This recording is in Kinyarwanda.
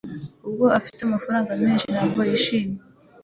Nubwo afite amafaranga menshi, ntabwo yishimye